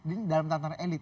ini dalam tantangan elit